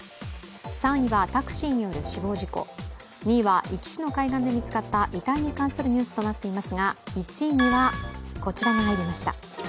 ３位はタクシーによる死亡事故、２位は壱岐市の海岸で見つかった遺体に関するニュースとなっていますが、１位にはこちらが入りました。